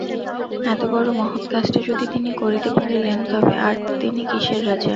এত বড় মহৎ কাজটা যদি তিনি করিতে পারিলেন, তবে আর তিনি কিসের রাজা।